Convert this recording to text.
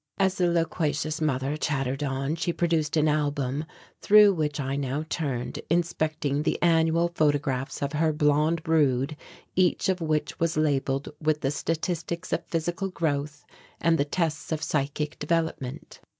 As the loquacious mother chattered on, she produced an album, through which I now turned, inspecting the annual photographs of her blond brood, each of which was labelled with the statistics of physical growth and the tests of psychic development.